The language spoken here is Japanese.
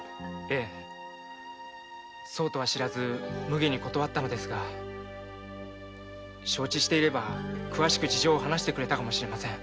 ええそうとは知らずむげに断ったのですが承知していれば詳しく事情を話してくれたかもしれません。